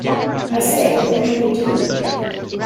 I say, what are we going to do?